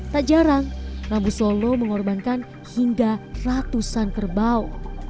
tak jarang rabu solo mengorbankan hingga ratusan kerbau